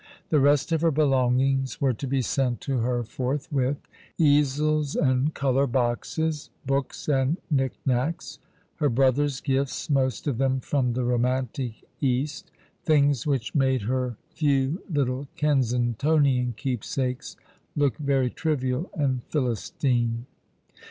The rest of her belongings were to be sent to her forthwith, easels, and colour boxes, books and knickknacks ; her brother's gifts, most of them from the romantic East ; things which made her few little Kensingtonian keepsakes look very trivial and Philistine.